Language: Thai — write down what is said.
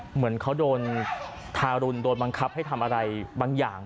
เหมือนเขาโดนทารุณโดนบังคับให้ทำอะไรบางอย่าง